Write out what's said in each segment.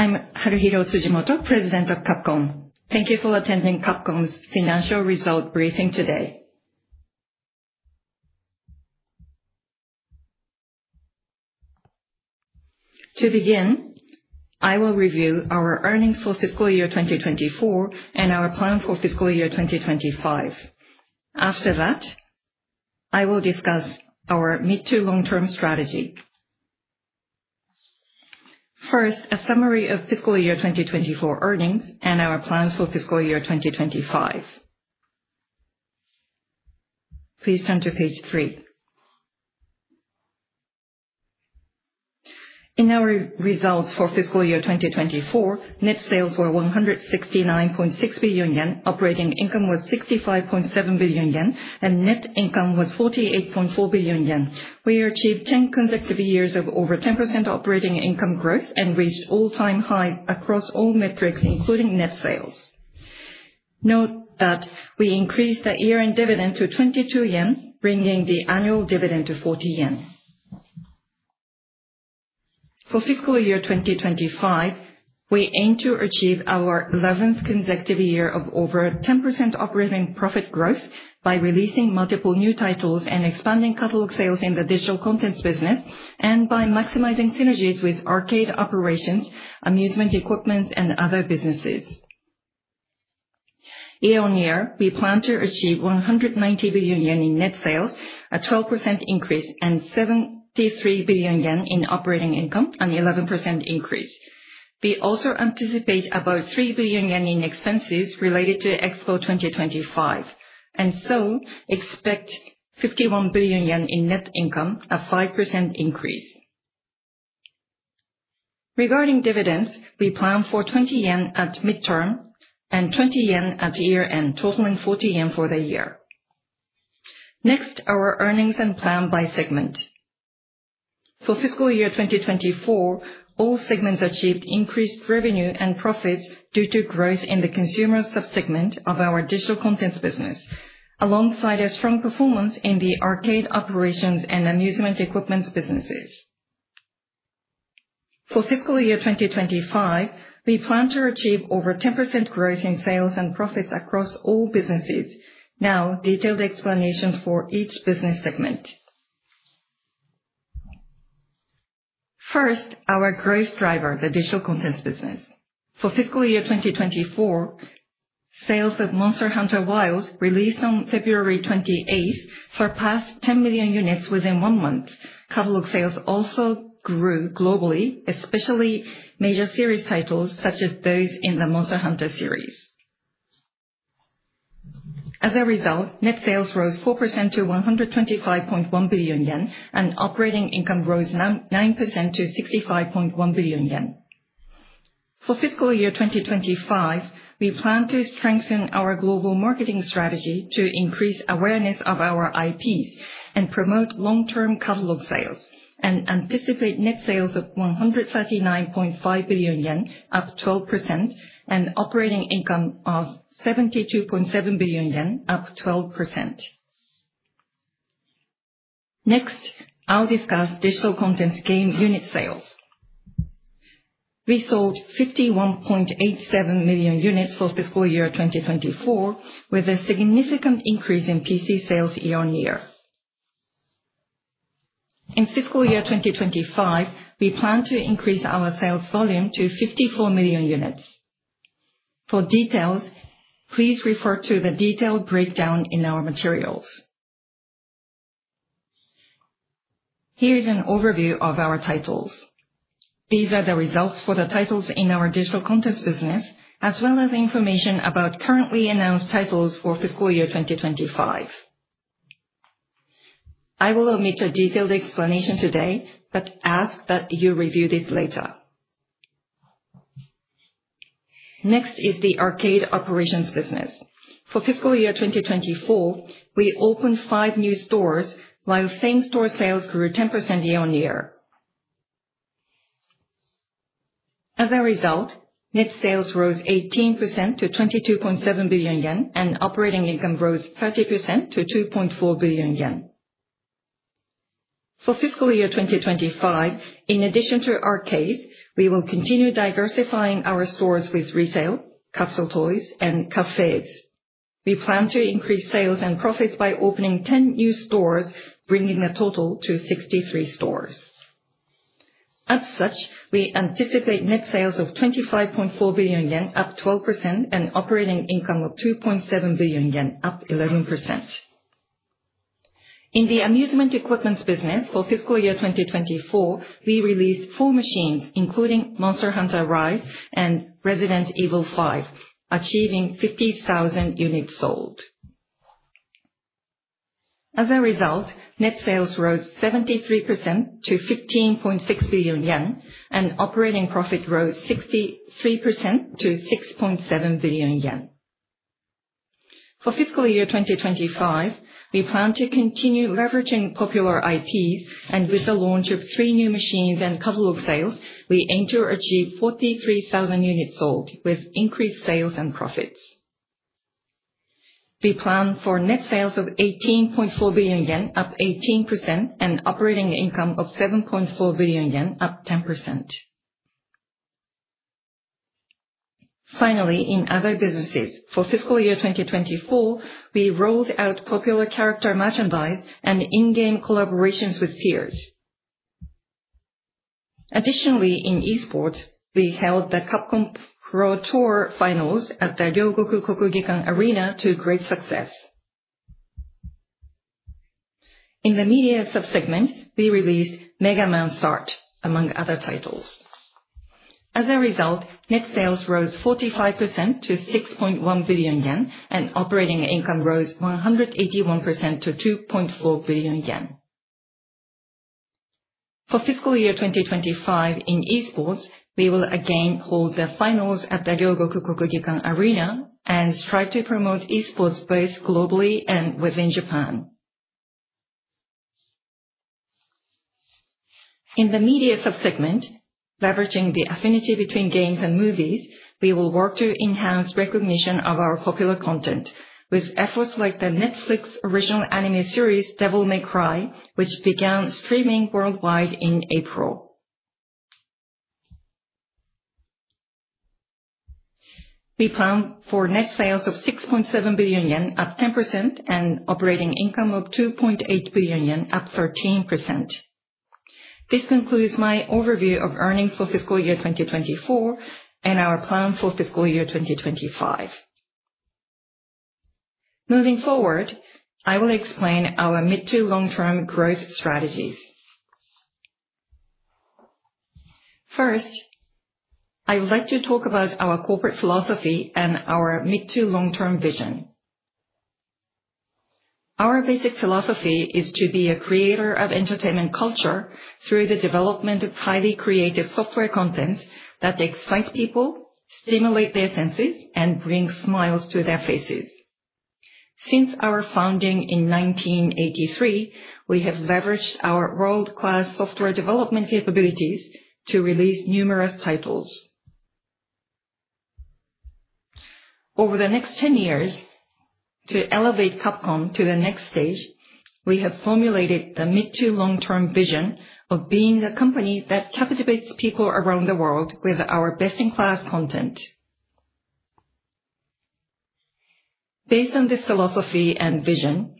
I'm Haruhiro Tsujimoto, President of Capcom. Thank you for attending Capcom's financial result briefing today. To begin, I will review our earnings for fiscal year 2024 and our plan for fiscal year 2025. After that, I will discuss our mid-to-long-term strategy. First, a summary of fiscal year 2024 earnings and our plans for fiscal year 2025. Please turn to page three. In our results for fiscal year 2024, net sales were 169.6 billion yen, operating income was 65.7 billion yen, and net income was 48.4 billion yen. We achieved 10 consecutive years of over 10% operating income growth and reached all-time highs across all metrics, including net sales. Note that we increased the year-end dividend to 22 yen, bringing the annual dividend to 40 yen. For fiscal year 2025, we aim to achieve our 11th consecutive year of over 10% operating profit growth by releasing multiple new titles and expanding catalog sales in the digital contents business, and by maximizing synergies with arcade operations, amusement equipment, and other businesses. Year-on-year, we plan to achieve 190 billion yen in net sales, a 12% increase, and 73 billion yen in operating income, an 11% increase. We also anticipate about 3 billion yen in expenses related to Expo 2025, and so expect 51 billion yen in net income, a 5% increase. Regarding dividends, we plan for 20 yen at midterm and 20 yen at year-end, totaling 40 yen for the year. Next, our earnings and plan by segment. For fiscal year 2024, all segments achieved increased revenue and profits due to growth in the consumer subsegment of our digital contents business, alongside a strong performance in the arcade operations and amusement equipment businesses. For fiscal year 2025, we plan to achieve over 10% growth in sales and profits across all businesses. Now, detailed explanations for each business segment. First, our growth driver, the digital contents business. For fiscal year 2024, sales of Monster Hunter Wilds, released on February 28, surpassed 10 million units within one month. Catalog sales also grew globally, especially major series titles such as those in the Monster Hunter series. As a result, net sales rose 4% to 125.1 billion yen, and operating income rose 9% to 65.1 billion yen. For fiscal year 2025, we plan to strengthen our global marketing strategy to increase awareness of our IPs and promote long-term catalog sales, and anticipate net sales of 139.5 billion yen, up 12%, and operating income of 72.7 billion yen, up 12%. Next, I'll discuss digital contents game unit sales. We sold 51.87 million units for fiscal year 2024, with a significant increase in PC sales year-on-year. In fiscal year 2025, we plan to increase our sales volume to 54 million units. For details, please refer to the detailed breakdown in our materials. Here is an overview of our titles. These are the results for the titles in our digital contents business, as well as information about currently announced titles for fiscal year 2025. I will omit a detailed explanation today, but ask that you review this later. Next is the arcade operations business. For fiscal year 2024, we opened five new stores, while same-store sales grew 10% year-on-year. As a result, net sales rose 18% to 22.7 billion yen, and operating income rose 30% to 2.4 billion yen. For fiscal year 2025, in addition to arcades, we will continue diversifying our stores with retail, capsule toys, and cafes. We plan to increase sales and profits by opening 10 new stores, bringing the total to 63 stores. As such, we anticipate net sales of 25.4 billion yen, up 12%, and operating income of 2.7 billion yen, up 11%. In the amusement equipment business, for fiscal year 2024, we released four machines, including Monster Hunter Rise and Resident Evil 5, achieving 50,000 units sold. As a result, net sales rose 73% to 15.6 billion yen, and operating profit rose 63% to 6.7 billion yen. For fiscal year 2025, we plan to continue leveraging popular IPs, and with the launch of three new machines and catalog sales, we aim to achieve 43,000 units sold, with increased sales and profits. We plan for net sales of 18.4 billion yen, up 18%, and operating income of 7.4 billion yen, up 10%. Finally, in other businesses, for fiscal year 2024, we rolled out popular character merchandise and in-game collaborations with peers. Additionally, in e-sports, we held the Capcom Pro Tour Finals at the Ryogoku Kokugikan Arena to great success. In the media subsegment, we released Mega Man: Start, among other titles. As a result, net sales rose 45% to 6.1 billion yen, and operating income rose 181% to 2.4 billion yen. For fiscal year 2025, in e-sports, we will again hold the finals at the Ryogoku Kokugikan Arena and strive to promote e-sports both globally and within Japan. In the media subsegment, leveraging the affinity between games and movies, we will work to enhance recognition of our popular content, with efforts like the Netflix original anime series, Devil May Cry, which began streaming worldwide in April. We plan for net sales of 6.7 billion yen, up 10%, and operating income of 2.8 billion yen, up 13%. This concludes my overview of earnings for fiscal year 2024 and our plan for fiscal year 2025. Moving forward, I will explain our mid-to-long-term growth strategies. First, I would like to talk about our corporate philosophy and our mid-to-long-term vision. Our basic philosophy is to be a creator of entertainment culture through the development of highly creative software contents that excite people, stimulate their senses, and bring smiles to their faces. Since our founding in 1983, we have leveraged our world-class software development capabilities to release numerous titles. Over the next 10 years, to elevate Capcom to the next stage, we have formulated the mid-to-long-term vision of being a company that captivates people around the world with our best-in-class content. Based on this philosophy and vision,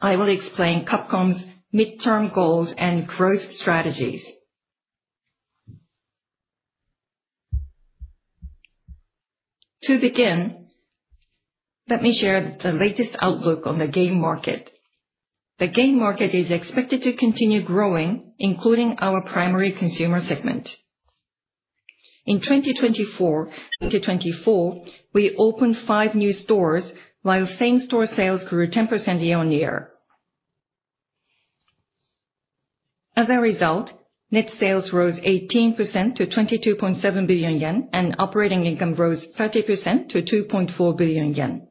I will explain Capcom's midterm goals and growth strategies. To begin, let me share the latest outlook on the game market. The game market is expected to continue growing, including our primary consumer segment. In 2024, we opened five new stores, while same-store sales grew 10% year-on-year. As a result, net sales rose 18% to 22.7 billion yen, and operating income rose 30% to 2.4 billion yen.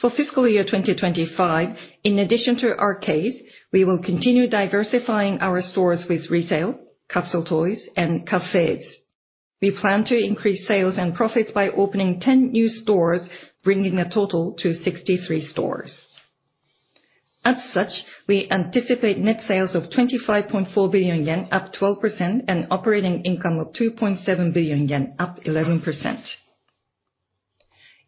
For fiscal year 2025, in addition to arcades, we will continue diversifying our stores with retail, capsule toys, and cafes. We plan to increase sales and profits by opening 10 new stores, bringing the total to 63 stores. As such, we anticipate net sales of 25.4 billion yen, up 12%, and operating income of 2.7 billion yen, up 11%.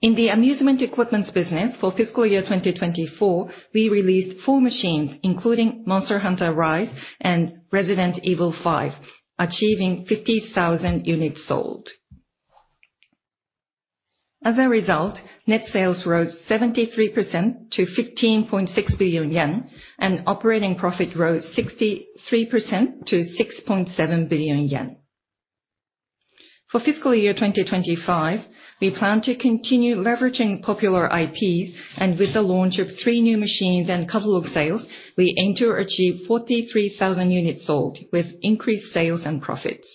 In the amusement equipment business, for fiscal year 2024, we released four machines, including Monster Hunter Rise and Resident Evil 5, achieving 50,000 units sold. As a result, net sales rose 73% to 15.6 billion yen, and operating profit rose 63% to 6.7 billion yen. For fiscal year 2025, we plan to continue leveraging popular IPs, and with the launch of three new machines and catalog sales, we aim to achieve 43,000 units sold, with increased sales and profits.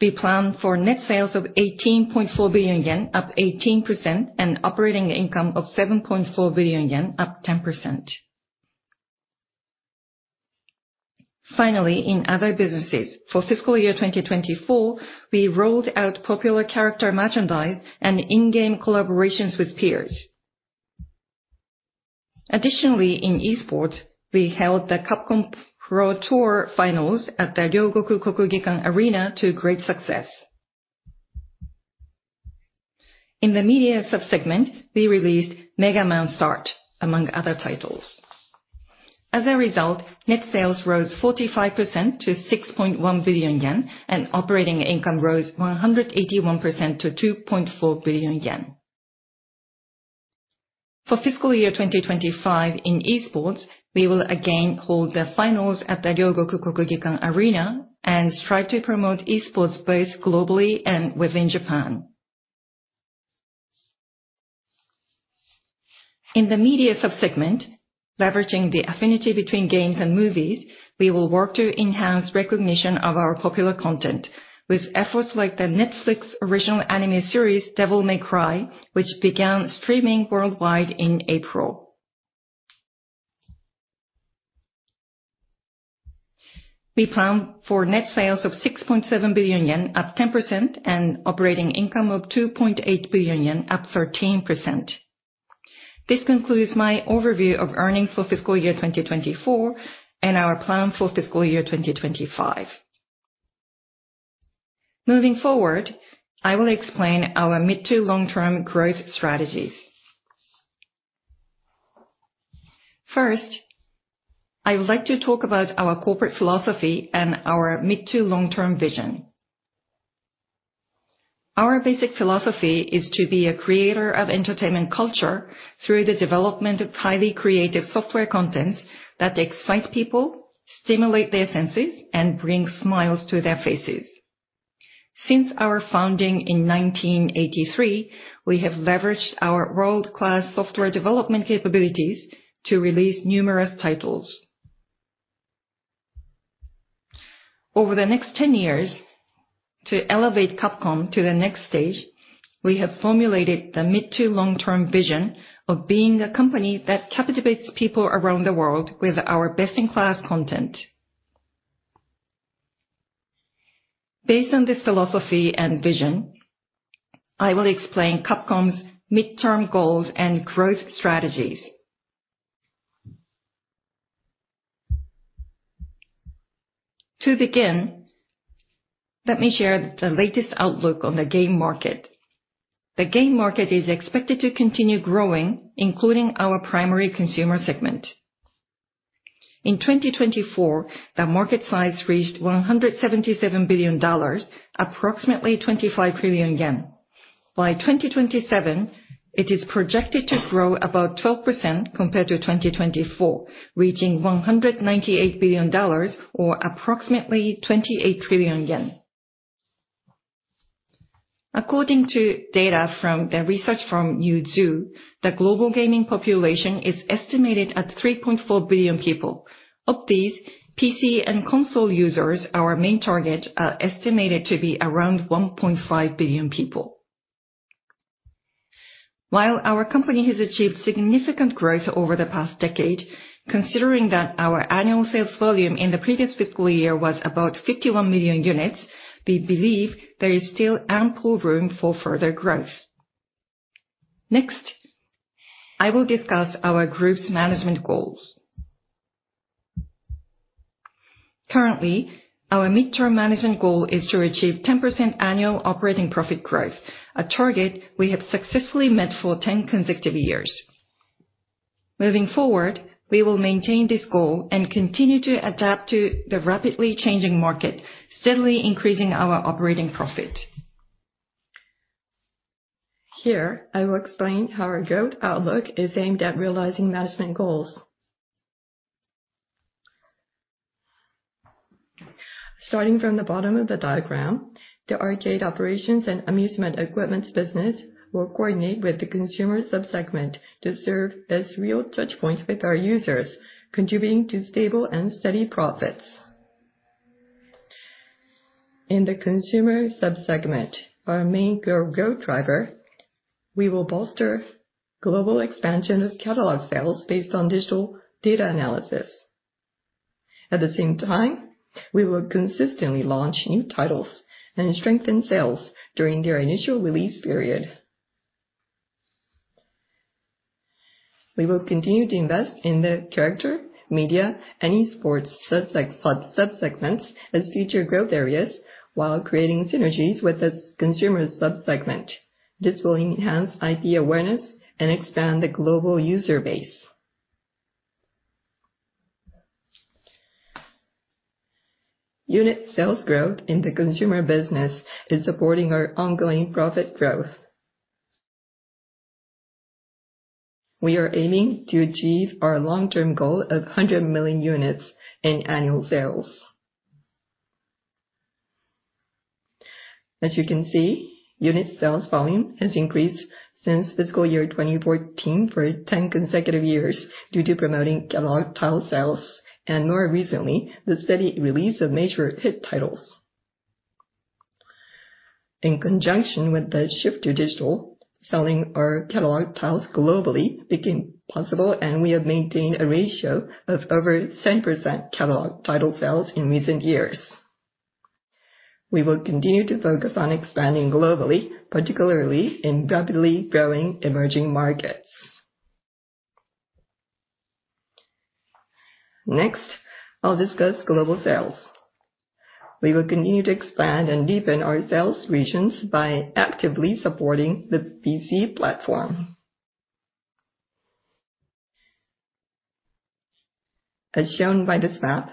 We plan for net sales of 18.4 billion yen, up 18%, and operating income of 7.4 billion yen, up 10%. Finally, in other businesses, for fiscal year 2024, we rolled out popular character merchandise and in-game collaborations with peers. Additionally, in e-sports, we held the Capcom Pro Tour Finals at the Ryogoku Kokugikan Arena to great success. In the media subsegment, we released Mega Man: Start, among other titles. As a result, net sales rose 45% to 6.1 billion yen, and operating income rose 181% to 2.4 billion yen. For fiscal year 2025, in e-sports, we will again hold the finals at the Ryogoku Kokugikan Arena and strive to promote e-sports both globally and within Japan. In the media subsegment, leveraging the affinity between games and movies, we will work to enhance recognition of our popular content, with efforts like the Netflix original anime series, Devil May Cry, which began streaming worldwide in April. We plan for net sales of 6.7 billion yen, up 10%, and operating income of 2.8 billion yen, up 13%. This concludes my overview of earnings for fiscal year 2024 and our plan for fiscal year 2025. Moving forward, I will explain our mid-to-long-term growth strategies. First, I would like to talk about our corporate philosophy and our mid-to-long-term vision. Our basic philosophy is to be a creator of entertainment culture through the development of highly creative software contents that excite people, stimulate their senses, and bring smiles to their faces. Since our founding in 1983, we have leveraged our world-class software development capabilities to release numerous titles. Over the next 10 years, to elevate Capcom to the next stage, we have formulated the mid-to-long-term vision of being a company that captivates people around the world with our best-in-class content. Based on this philosophy and vision, I will explain Capcom's midterm goals and growth strategies. To begin, let me share the latest outlook on the game market. The game market is expected to continue growing, including our primary consumer segment. In 2024, the market size reached $177 billion, approximately 25 trillion yen. By 2027, it is projected to grow about 12% compared to 2024, reaching $198 billion, or approximately 28 trillion yen. According to data from the research firm Newzoo, the global gaming population is estimated at 3.4 billion people. Of these, PC and console users, our main target, are estimated to be around 1.5 billion people. While our company has achieved significant growth over the past decade, considering that our annual sales volume in the previous fiscal year was about 51 million units, we believe there is still ample room for further growth. Next, I will discuss our group's management goals. Currently, our midterm management goal is to achieve 10% annual operating profit growth, a target we have successfully met for 10 consecutive years. Moving forward, we will maintain this goal and continue to adapt to the rapidly changing market, steadily increasing our operating profit. Here, I will explain how our growth outlook is aimed at realizing management goals. Starting from the bottom of the diagram, the arcade operations and amusement equipment business will coordinate with the consumer subsegment to serve as real touchpoints with our users, contributing to stable and steady profits. In the consumer subsegment, our main growth driver, we will bolster global expansion of catalog sales based on digital data analysis. At the same time, we will consistently launch new titles and strengthen sales during their initial release period. We will continue to invest in the character, media, and e-sports subsegments as future growth areas while creating synergies with the consumer subsegment. This will enhance IP awareness and expand the global user base. Unit sales growth in the consumer business is supporting our ongoing profit growth. We are aiming to achieve our long-term goal of 100 million units in annual sales. As you can see, unit sales volume has increased since fiscal year 2014 for 10 consecutive years due to promoting catalog title sales and, more recently, the steady release of major hit titles. In conjunction with the shift to digital, selling our catalog titles globally became possible, and we have maintained a ratio of over 10% catalog title sales in recent years. We will continue to focus on expanding globally, particularly in rapidly growing emerging markets. Next, I'll discuss global sales. We will continue to expand and deepen our sales regions by actively supporting the PC platform. As shown by this map,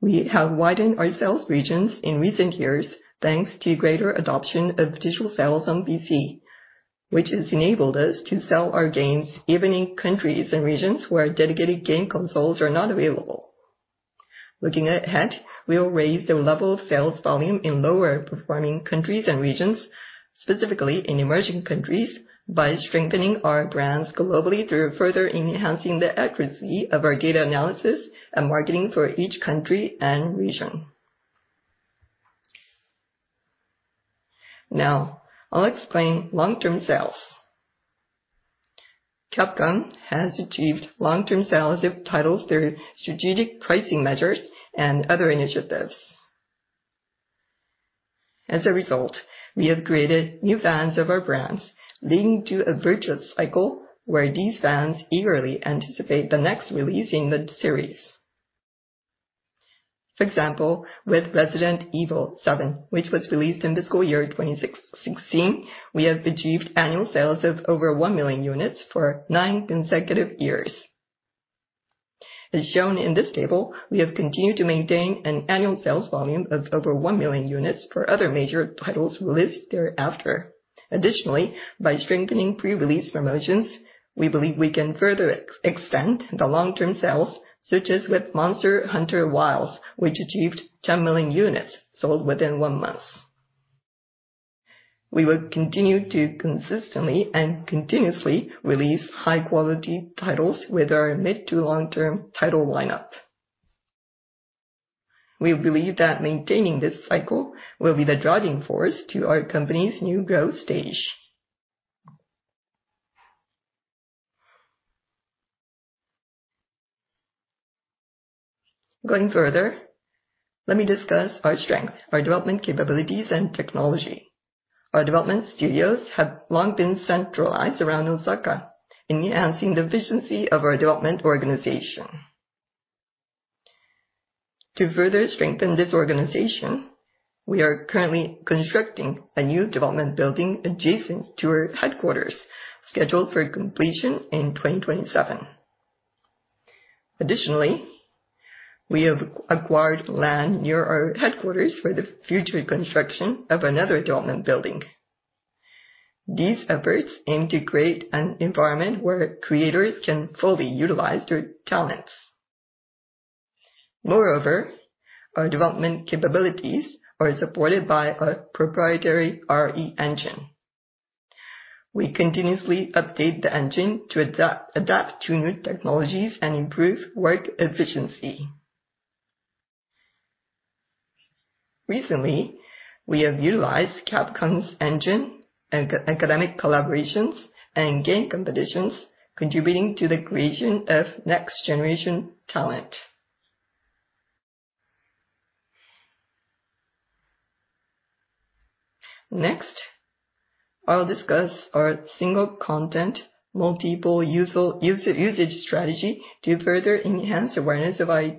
we have widened our sales regions in recent years thanks to greater adoption of digital sales on PC, which has enabled us to sell our games even in countries and regions where dedicated game consoles are not available. Looking ahead, we will raise the level of sales volume in lower-performing countries and regions, specifically in emerging countries, by strengthening our brands globally through further enhancing the accuracy of our data analysis and marketing for each country and region. Now, I'll explain long-term sales. Capcom has achieved long-term sales of titles through strategic pricing measures and other initiatives. As a result, we have created new fans of our brands, leading to a virtuous cycle where these fans eagerly anticipate the next release in the series. For example, with Resident Evil 7, which was released in fiscal year 2016, we have achieved annual sales of over 1 million units for nine consecutive years. As shown in this table, we have continued to maintain an annual sales volume of over 1 million units for other major titles released thereafter. Additionally, by strengthening pre-release promotions, we believe we can further extend the long-term sales, such as with Monster Hunter Wilds, which achieved 10 million units sold within one month. We will continue to consistently and continuously release high-quality titles with our mid-to-long-term title lineup. We believe that maintaining this cycle will be the driving force to our company's new growth stage. Going further, let me discuss our strength, our development capabilities, and technology. Our development studios have long been centralized around Osaka, enhancing the efficiency of our development organization. To further strengthen this organization, we are currently constructing a new development building adjacent to our headquarters, scheduled for completion in 2027. Additionally, we have acquired land near our headquarters for the future construction of another development building. These efforts aim to create an environment where creators can fully utilize their talents. Moreover, our development capabilities are supported by a proprietary RE Engine. We continuously update the engine to adapt to new technologies and improve work efficiency. Recently, we have utilized Capcom's engine, academic collaborations, and game competitions, contributing to the creation of next-generation talent. Next, I'll discuss our single-content, multiple-user usage strategy to further enhance awareness of.